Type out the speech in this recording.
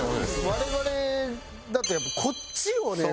我々だとやっぱこっちをね